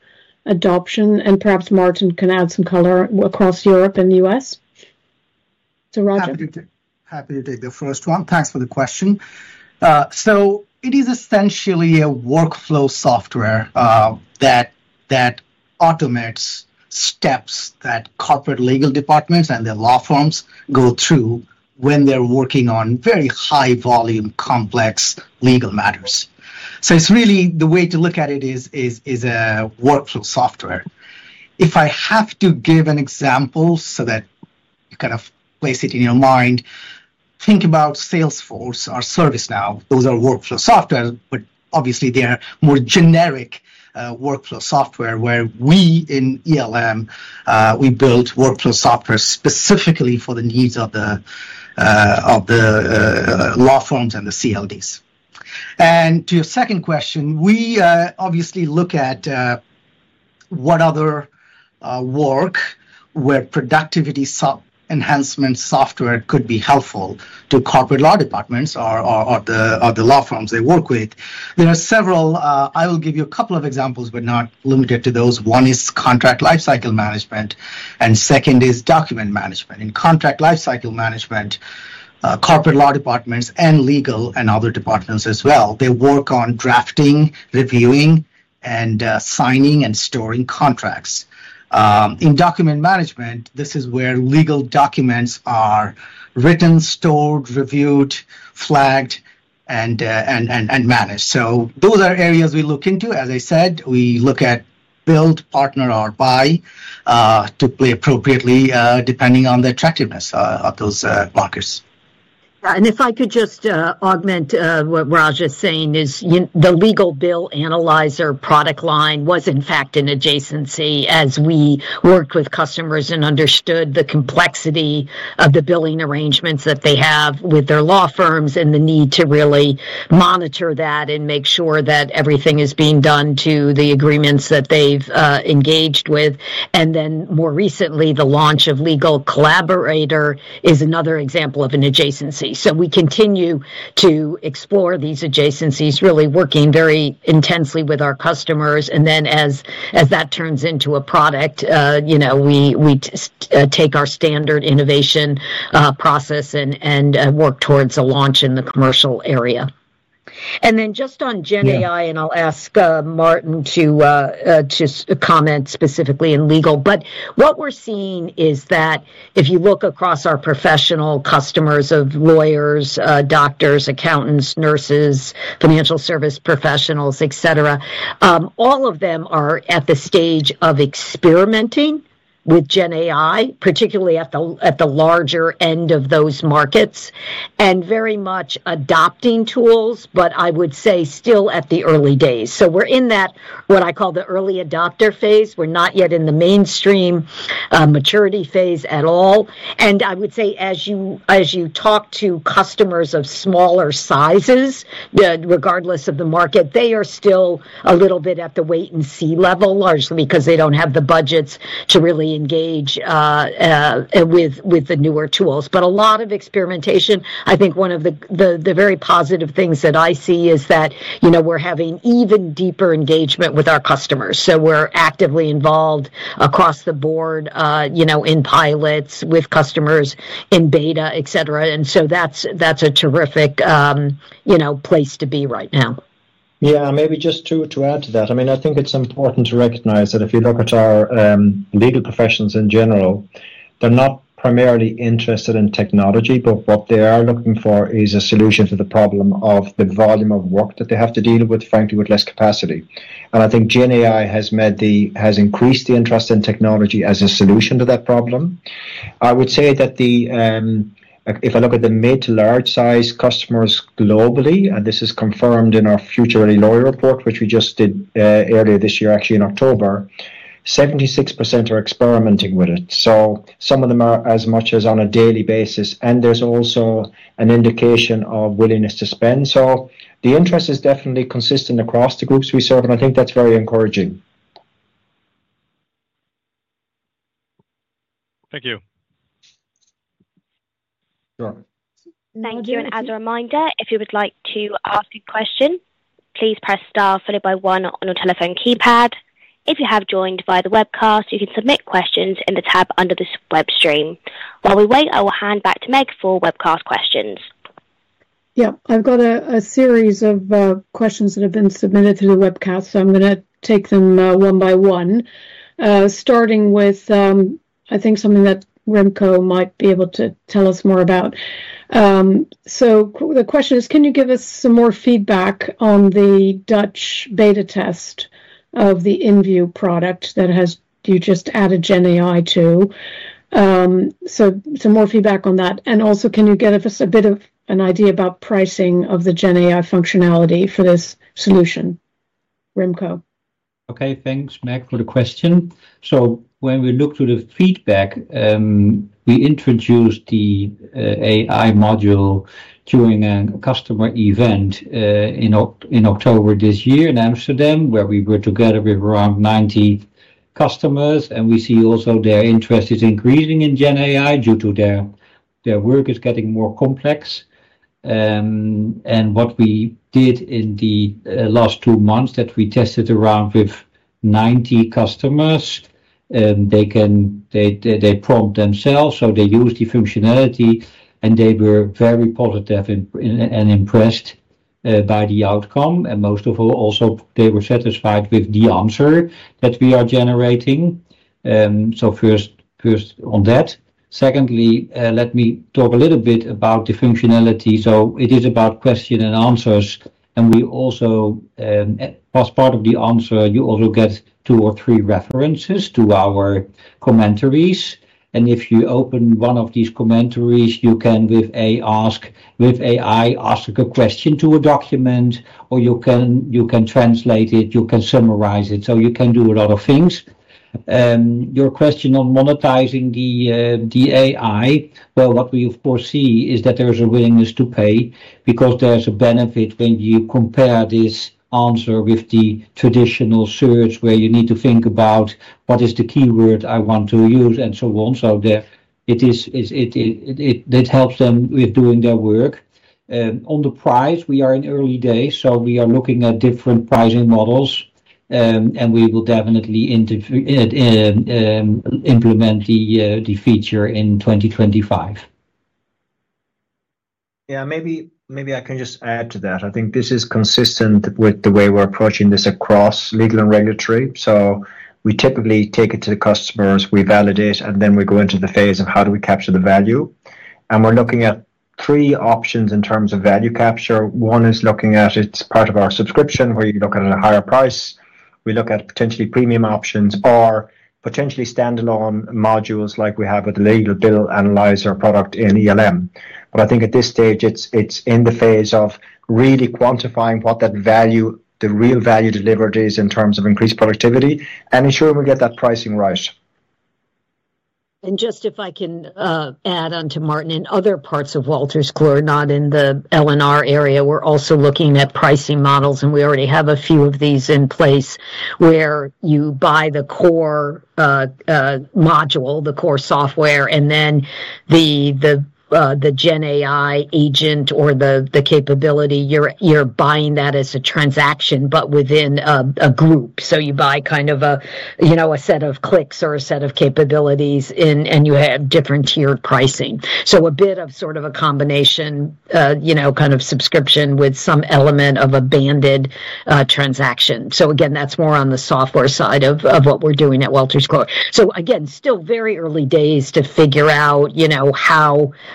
adoption, and perhaps Martin can add some color across Europe and the U.S. So, Raja. Happy to take the first one. Thanks for the question. So it is essentially a workflow software that automates steps that corporate legal departments and their law firms go through when they're working on very high-volume, complex legal matters. So it's really the way to look at it is a workflow software. If I have to give an example so that you kind of place it in your mind, think about Salesforce or ServiceNow. Those are workflow software, but obviously, they're more generic workflow software where we in ELM, we build workflow software specifically for the needs of the law firms and the CLDs. And to your second question, we obviously look at what other work where productivity enhancement software could be helpful to corporate law departments or the law firms they work with. There are several; I will give you a couple of examples, but not limited to those. One is contract lifecycle management, and second is document management. In contract lifecycle management, corporate law departments and legal and other departments as well, they work on drafting, reviewing, signing, and storing contracts. In document management, this is where legal documents are written, stored, reviewed, flagged, and managed. So those are areas we look into. As I said, we look at build, partner, or buy to play appropriately depending on the attractiveness of those markets. Yeah, and if I could just augment what Raja is saying is the legal bill Analyzer product line was, in fact, an adjacency as we worked with customers and understood the complexity of the billing arrangements that they have with their law firms and the need to really monitor that and make sure that everything is being done to the agreements that they've engaged with, and then more recently, the launch of Legal Collaborator is another example of an adjacency, so we continue to explore these adjacencies, really working very intensely with our customers, and then as that turns into a product, we take our standard innovation process and work towards a launch in the commercial area. And then just on GenAI, and I'll ask Martin to comment specifically in legal, but what we're seeing is that if you look across our professional customers of lawyers, doctors, accountants, nurses, financial service professionals, etc., all of them are at the stage of experimenting with GenAI, particularly at the larger end of those markets, and very much adopting tools, but I would say still at the early days. So we're in that what I call the early adopter phase. We're not yet in the mainstream maturity phase at all. And I would say as you talk to customers of smaller sizes, regardless of the market, they are still a little bit at the wait-and-see level, largely because they don't have the budgets to really engage with the newer tools. But a lot of experimentation, I think one of the very positive things that I see is that we're having even deeper engagement with our customers. So we're actively involved across the board in pilots with customers in beta, etc. And so that's a terrific place to be right now. Yeah. Maybe just to add to that, I mean, I think it's important to recognize that if you look at our legal professions in general, they're not primarily interested in technology, but what they are looking for is a solution to the problem of the volume of work that they have to deal with, frankly, with less capacity. And I think GenAI has increased the interest in technology as a solution to that problem. I would say that if I look at the mid- to large-sized customers globally, and this is confirmed in our Future Ready Lawyer Report, which we just did earlier this year, actually in October, 76% are experimenting with it. So some of them are as much as on a daily basis, and there's also an indication of willingness to spend. So the interest is definitely consistent across the groups we serve, and I think that's very encouraging. Thank you. Sure. Thank you. And as a reminder, if you would like to ask a question, please press star followed by one on your telephone keypad. If you have joined via the webcast, you can submit questions in the tab under this web stream. While we wait, I will hand back to Meg for webcast questions. Yeah. I've got a series of questions that have been submitted through the webcast, so I'm going to take them one by one, starting with, I think, something that Remco might be able to tell us more about. So the question is, can you give us some more feedback on the Dutch beta test of the InView product that you just added GenAI to? So some more feedback on that. And also, can you give us a bit of an idea about pricing of the GenAI functionality for this solution, Remco? Okay. Thanks, Meg, for the question. So when we looked at the feedback, we introduced the AI module during a customer event in October this year in Amsterdam, where we were together with around 90 customers, and we see also their interest is increasing in GenAI due to their work is getting more complex, and what we did in the last two months that we tested around with 90 customers, they prompt themselves, so they use the functionality, and they were very positive and impressed by the outcome, and most of all, also they were satisfied with the answer that we are generating. So first on that. Secondly, let me talk a little bit about the functionality. So it is about questions and answers, and we also, as part of the answer, you also get two or three references to our commentaries. And if you open one of these commentaries, you can, with AI, ask a question to a document, or you can translate it, you can summarize it. So you can do a lot of things. Your question on monetizing the AI, well, what we foresee is that there is a willingness to pay because there's a benefit when you compare this answer with the traditional search where you need to think about what is the keyword I want to use and so on. So it helps them with doing their work. On the price, we are in early days, so we are looking at different pricing models, and we will definitely implement the feature in 2025. Yeah. Maybe I can just add to that. I think this is consistent with the way we're approaching this across Legal and Regulatory. So we typically take it to the customers, we validate, and then we go into the phase of how do we capture the value. And we're looking at three options in terms of value capture. One is looking at it's part of our subscription where you look at a higher price. We look at potentially premium options or potentially standalone modules like we have with the LegalVIEW BillAnalyzer product in ELM. But I think at this stage, it's in the phase of really quantifying what that value, the real value delivered is in terms of increased productivity and ensuring we get that pricing right. And just if I can add on to Martin, in other parts of Wolters Kluwer, not in the L&R area, we're also looking at pricing models, and we already have a few of these in place where you buy the core module, the core software, and then the GenAI agent or the capability, you're buying that as a transaction, but within a group. So you buy kind of a set of clicks or a set of capabilities, and you have different tiered pricing. So a bit of sort of a combination kind of subscription with some element of a banded transaction. So again, that's more on the software side of what we're doing at Wolters Kluwer. So again, still very early days to figure out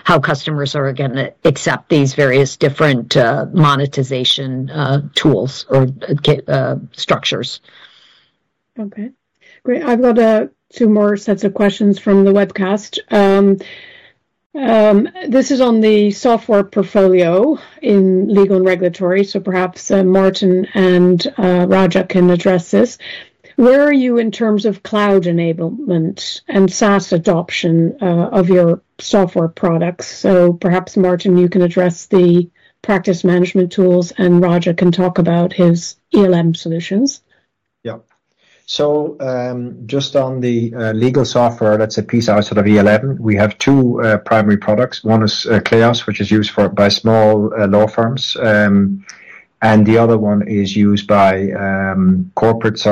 how customers are going to accept these various different monetization tools or structures. Okay. Great. I've got two more sets of questions from the webcast. This is on the software portfolio in Legal and Regulatory, so perhaps Martin and Raja can address this. Where are you in terms of cloud enablement and SaaS adoption of your software products? So perhaps Martin, you can address the practice management tools, and Raja can talk about his ELM solutions. Yeah. So just on the legal software, that's a piece outside of ELM. We have two primary products. One is Kleos, which is used by small law firms, and the other one is used by corporate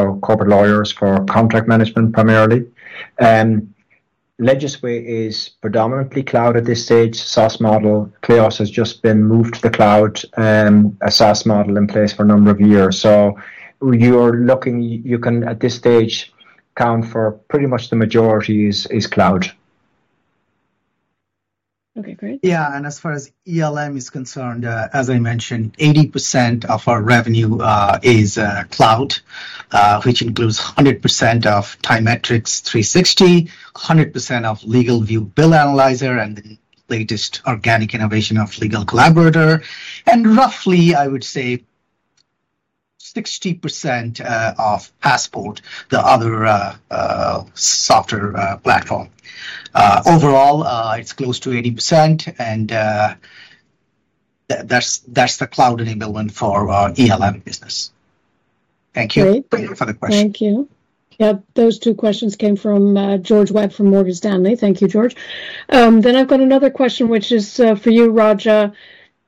lawyers for contract management primarily. Legisway is predominantly cloud at this stage, SaaS model. Kleos has just been moved to the cloud, a SaaS model in place for a number of years. So you're looking, you can at this stage count for pretty much the majority is cloud. Okay. Great. Yeah. And as far as ELM is concerned, as I mentioned, 80% of our revenue is cloud, which includes 100% of TyMetrix 360°, 100% of LegalVIEW BillAnalyzer, and the latest organic innovation of Legal Collaborator. And roughly, I would say 60% of Passport, the other software platform. Overall, it's close to 80%, and that's the cloud enablement for our ELM business. Thank you for the question. Thank you. Yeah. Those two questions came from George Webb from Morgan Stanley. Thank you, George. Then I've got another question, which is for you, Raja.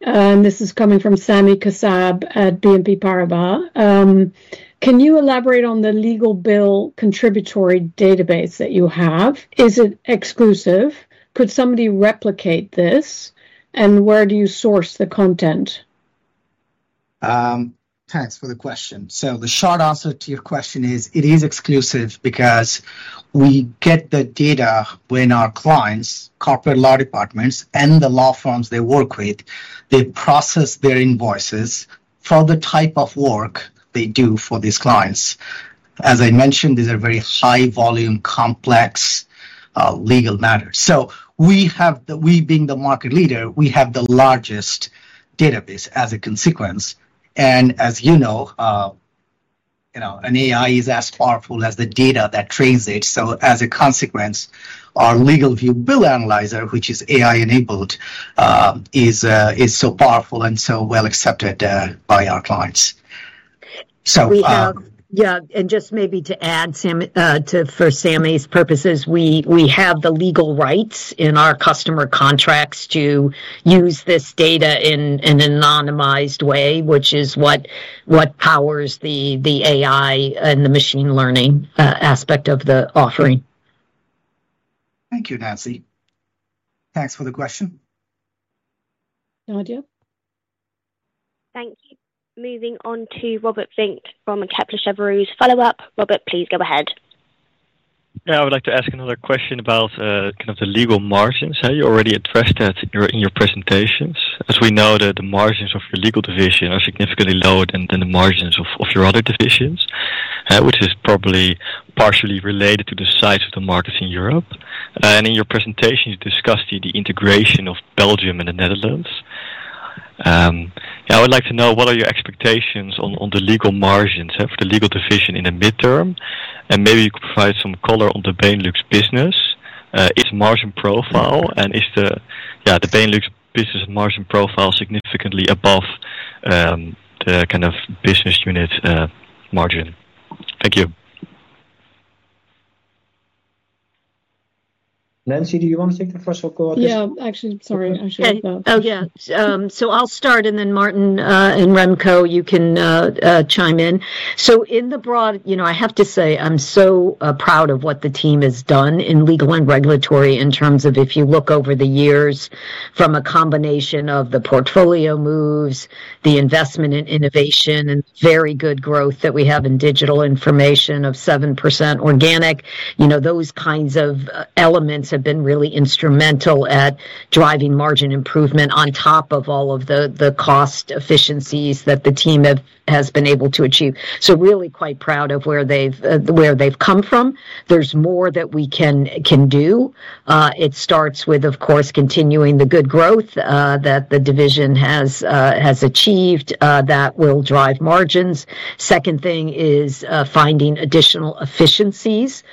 And this is coming from Sami Kassab at BNP Paribas. Can you elaborate on the legal bill contributory database that you have? Is it exclusive? Could somebody replicate this? And where do you source the content? Thanks for the question. So the short answer to your question is it is exclusive because we get the data when our clients, corporate law departments, and the law firms they work with, they process their invoices for the type of work they do for these clients. As I mentioned, these are very high-volume, complex legal matters. So we being the market leader, we have the largest database as a consequence. And as you know, an AI is as powerful as the data that trains it. So as a consequence, our LegalVIEW BillAnalyzer, which is AI-enabled, is so powerful and so well accepted by our clients. So yeah. Yeah, and just maybe to add for Sami's purposes, we have the legal rights in our customer contracts to use this data in an anonymized way, which is what powers the AI and the machine learning aspect of the offering. Thank you, Nancy. Thanks for the question. Nadia? Thank you. Moving on to Robert Vink from Kepler Cheuvreux's follow-up. Robert, please go ahead. Yeah. I would like to ask another question about kind of the legal margins. You already addressed that in your presentations. As we know, the margins of your legal division are significantly lower than the margins of your other divisions, which is probably partially related to the size of the markets in Europe, and in your presentation, you discussed the integration of Belgium and the Netherlands. Yeah. I would like to know what are your expectations on the legal margins for the legal division in the midterm, and maybe you could provide some color on the Benelux business. Is margin profile, and is the Benelux business margin profile significantly above the kind of business unit margin? Thank you. Nancy, do you want to take the first or go? Yeah. Actually, sorry. I should have asked. Oh, yeah. So I'll start, and then Martin and Remco, you can chime in. So, in the broad, I have to say I'm so proud of what the team has done in Legal and Regulatory in terms of if you look over the years from a combination of the portfolio moves, the investment in innovation, and very good growth that we have in digital information of 7% organic. Those kinds of elements have been really instrumental at driving margin improvement on top of all of the cost efficiencies that the team has been able to achieve. So really quite proud of where they've come from. There's more that we can do. It starts with, of course, continuing the good growth that the division has achieved that will drive margins. Second thing is finding additional efficiencies.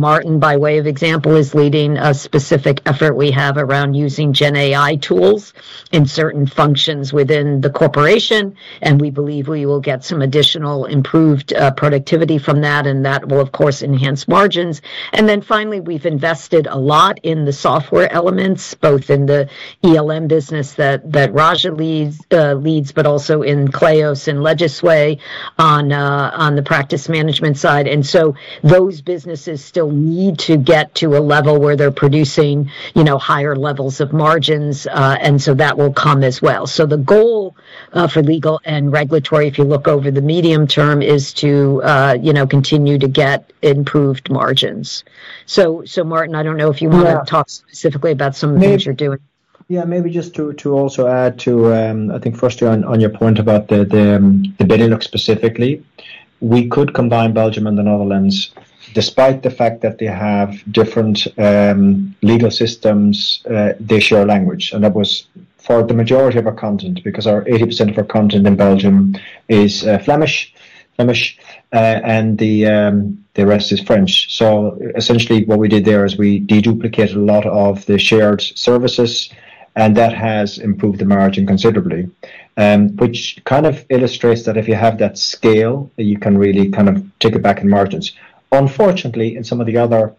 Martin, by way of example, is leading a specific effort we have around using GenAI tools in certain functions within the corporation, and we believe we will get some additional improved productivity from that, and that will, of course, enhance margins. And then finally, we've invested a lot in the software elements, both in the ELM business that Raja leads, but also in Kleos and Legisway on the practice management side. And so those businesses still need to get to a level where they're producing higher levels of margins, and so that will come as well. So the goal for Legal and Regulatory, if you look over the medium term, is to continue to get improved margins. So Martin, I don't know if you want to talk specifically about some of the things you're doing. Yeah. Maybe just to also add to, I think, firstly, on your point about the Benelux specifically, we could combine Belgium and the Netherlands. Despite the fact that they have different legal systems, they share language. And that was for the majority of our content because 80% of our content in Belgium is Flemish, and the rest is French. So essentially, what we did there is we deduplicated a lot of the shared services, and that has improved the margin considerably, which kind of illustrates that if you have that scale, you can really kind of take it back in margins. Unfortunately, in some of the other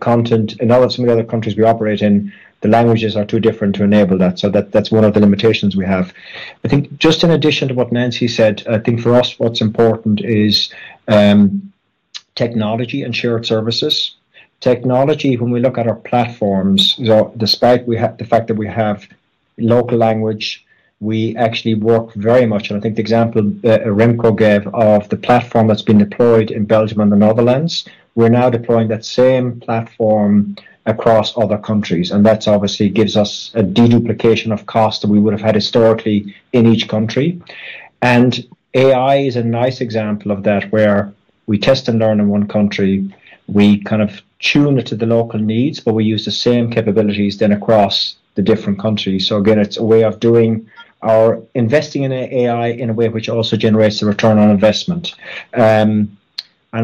content, in some of the other countries we operate in, the languages are too different to enable that. So that's one of the limitations we have. I think just in addition to what Nancy said, I think for us, what's important is technology and shared services. Technology, when we look at our platforms, despite the fact that we have local language, we actually work very much, and I think the example Remco gave of the platform that's been deployed in Belgium and the Netherlands, we're now deploying that same platform across other countries. And that obviously gives us a deduplication of costs that we would have had historically in each country. And AI is a nice example of that where we test and learn in one country. We kind of tune it to the local needs, but we use the same capabilities then across the different countries, so again, it's a way of doing our investing in AI in a way which also generates a return on investment. And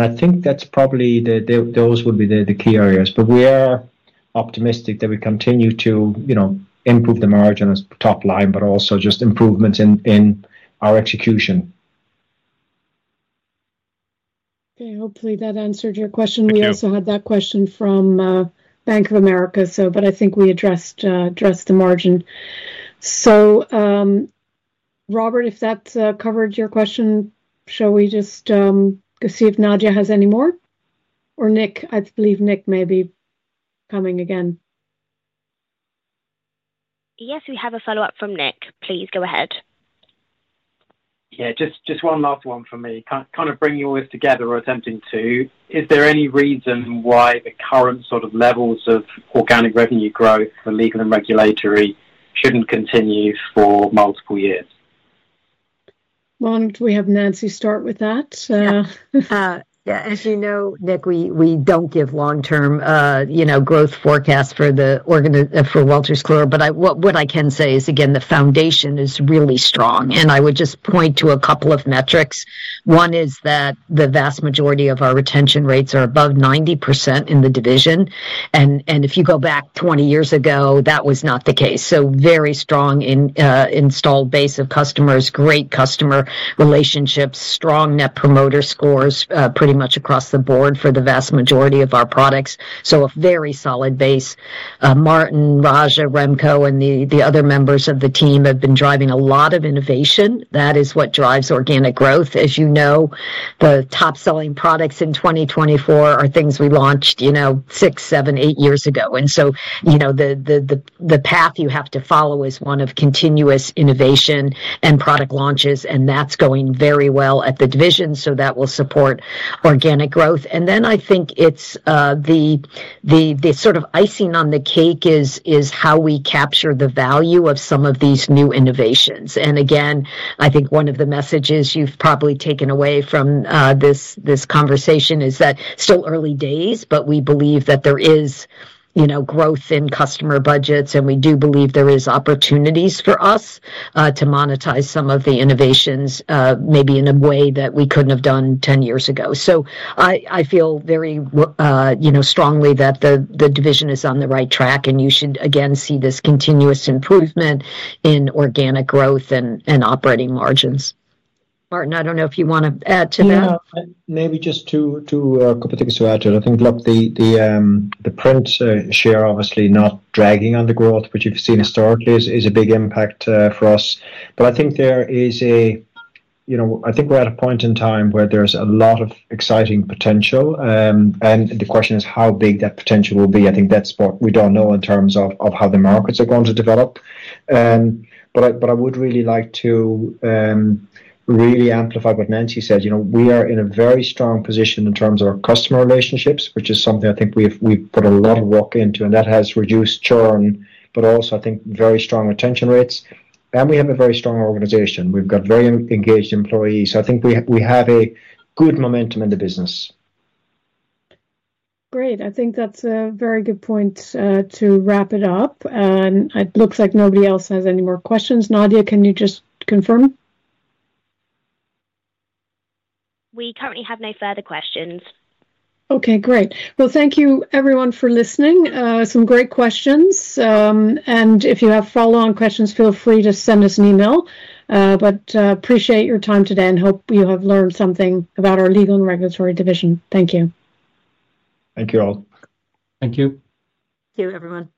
I think that's probably those would be the key areas. But we are optimistic that we continue to improve the margin as top line, but also just improvements in our execution. Okay. Hopefully, that answered your question. We also had that question from Bank of America, but I think we addressed the margin. So Robert, if that covered your question, shall we just see if Nadia has any more? Or Nick, I believe Nick may be coming again. Yes, we have a follow-up from Nick. Please go ahead. Yeah. Just one last one for me. Kind of bringing all this together or attempting to, is there any reason why the current sort of levels of organic revenue growth for Legal and Regulatory shouldn't continue for multiple years? Martin, do we have Nancy start with that? Yeah. Yeah. As you know, Nick, we don't give long-term growth forecasts for Wolters Kluwer. But what I can say is, again, the foundation is really strong. And I would just point to a couple of metrics. One is that the vast majority of our retention rates are above 90% in the division. And if you go back 20 years ago, that was not the case. So very strong installed base of customers, great customer relationships, strong net promoter scores pretty much across the board for the vast majority of our products. So a very solid base. Martin, Raja, Remco, and the other members of the team have been driving a lot of innovation. That is what drives organic growth. As you know, the top-selling products in 2024 are things we launched six, seven, eight years ago. And so the path you have to follow is one of continuous innovation and product launches, and that's going very well at the division, so that will support organic growth. And then I think it's the sort of icing on the cake is how we capture the value of some of these new innovations. And again, I think one of the messages you've probably taken away from this conversation is that it's still early days, but we believe that there is growth in customer budgets, and we do believe there are opportunities for us to monetize some of the innovations maybe in a way that we couldn't have done 10 years ago. So I feel very strongly that the division is on the right track, and you should, again, see this continuous improvement in organic growth and operating margins. Martin, I don't know if you want to add to that. Yeah. Maybe just two quick things to add to it. I think, look, the print share obviously not dragging on the growth, which you've seen historically, is a big impact for us. But I think there is. I think we're at a point in time where there's a lot of exciting potential, and the question is how big that potential will be. I think that's what we don't know in terms of how the markets are going to develop. But I would really like to amplify what Nancy said. We are in a very strong position in terms of our customer relationships, which is something I think we've put a lot of work into, and that has reduced churn, but also, I think, very strong retention rates. And we have a very strong organization. We've got very engaged employees. I think we have a good momentum in the business. Great. I think that's a very good point to wrap it up. And it looks like nobody else has any more questions. Nadia, can you just confirm? We currently have no further questions. Okay. Great. Well, thank you, everyone, for listening. Some great questions, and if you have follow-on questions, feel free to send us an email, but appreciate your time today and hope you have learned something about our Legal and Regulatory division. Thank you. Thank you all. Thank you. Thank you, everyone.